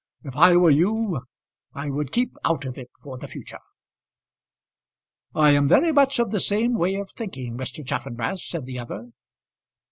If I were you, I would keep out of it for the future." "I am very much of the same way of thinking, Mr. Chaffanbrass," said the other.